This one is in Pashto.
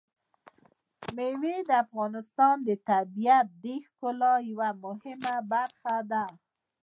مېوې د افغانستان د طبیعت د ښکلا یوه مهمه برخه ده.